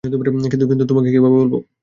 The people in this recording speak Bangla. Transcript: কিন্তু তোমাকে কিভাবে বলবো?